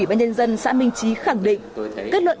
ông dư văn nhuận